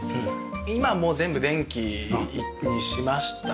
今もう全部電気にしましたね。